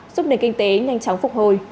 giúp nền kinh tế nhanh chóng phục hồi